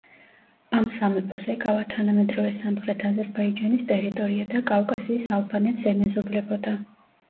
ამ სამეფოს ეკავა თანამედროვე სამხრეთ აზერბაიჯანის ტერიტორია და კავკასიის ალბანეთს ემეზობლებოდა.